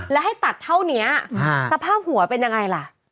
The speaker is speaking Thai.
แล้วให้ตัดเท่านี้สภาพหัวเป็นยังไงล่ะ